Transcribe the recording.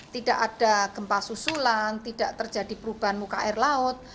tidak ada gempa susulan tidak terjadi perubahan muka air laut